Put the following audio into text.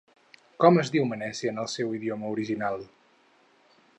Com es diu Meneci en el seu idioma original?